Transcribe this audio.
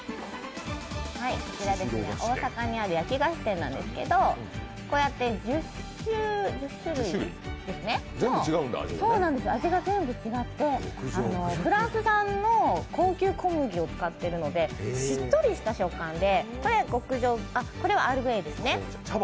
大阪にある焼き菓子店なんですけど１０種類、味が全部違って、フランス産の高級小麦を使ってるのでしっとりした食感で、これはアールグレイですね。